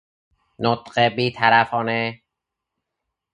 نطق بیطرفانه